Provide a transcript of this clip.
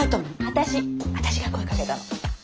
私が声かけたの。